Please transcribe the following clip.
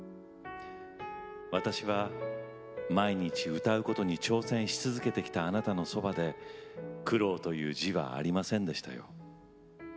私は毎日歌うことに挑戦し続けてきたあなたのそばで苦労という字はありませんでしたよ。